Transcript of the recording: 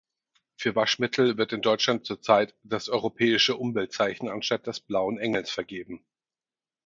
Für Waschmittel wird in Deutschland zurzeit das Europäische Umweltzeichen anstatt des Blauen Engels vergeben.